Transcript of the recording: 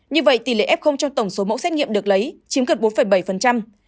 như vậy tỷ lệ f trong tổng số mẫu xét nghiệm được lấy chiếm gần bốn bảy